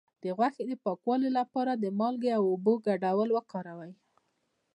د غوښې د پاکوالي لپاره د مالګې او اوبو ګډول وکاروئ